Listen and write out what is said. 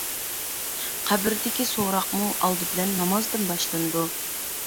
قەبرىدىكى سوراقمۇ ئالدى بىلەن نامازدىن باشلىنىدۇ.